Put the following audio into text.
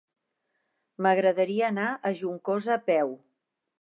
M'agradaria anar a Juncosa a peu.